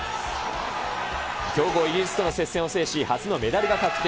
強豪イギリスとの接戦を制し、初のメダルが確定。